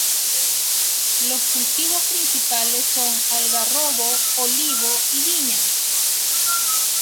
Los cultivos principales son algarrobo, olivo y viñas.